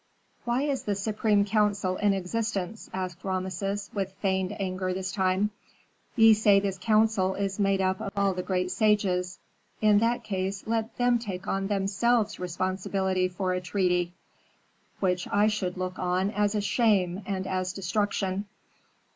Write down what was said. "Why is the supreme council in existence?" asked Rameses, with feigned anger this time. "Ye say this council is made up of all the great sages. In that case let them take on themselves responsibility for a treaty which I should look on as a shame and as destruction."